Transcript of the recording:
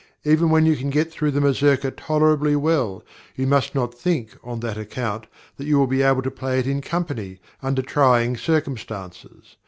Even when you can get through the mazourka tolerably well, you must not think, on that account, that you will be able to play it in company, under trying circumstances.